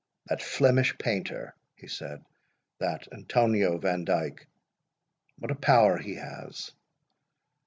"That Flemish painter" he said—"that Antonio Vandyck—what a power he has!